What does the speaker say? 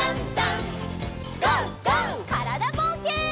からだぼうけん。